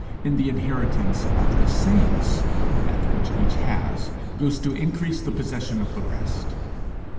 In the inheritance of the saints, that which each has, goes to increase the possession of the rest.